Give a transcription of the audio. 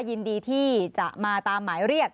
ยินดีที่จะมาตามหมายเรียก